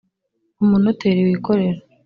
umunoteri wikorera .